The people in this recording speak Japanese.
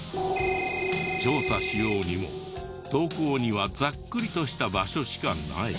調査しようにも投稿にはざっくりとした場所しかない。